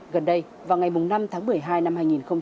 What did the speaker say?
gần đây vào ngày năm tháng một mươi hai năm hai nghìn một mươi chín